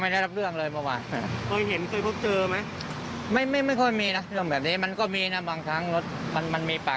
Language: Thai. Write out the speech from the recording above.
ดีกว่าผมว่านะ